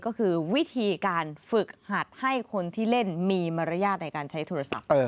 ก็คือวิธีการฝึกหัดให้คนที่เล่นมีมารยาทในการใช้โทรศัพท์